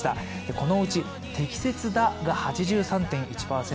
このうち、適切だが８３．１％。